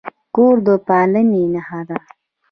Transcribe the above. کور د پاملرنې نښه ده.